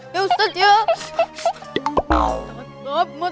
kasih hpnya kasih hpnya